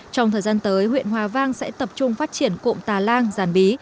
trong thời gian tới huyện hòa vang sẽ tập trung phát triển cụm tà lang giàn bí